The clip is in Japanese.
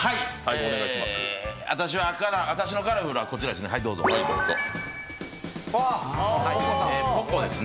私のカラフルはこちらです。